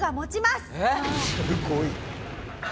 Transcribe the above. すごい。